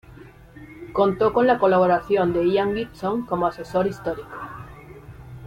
Contó con la colaboración de Ian Gibson como asesor histórico.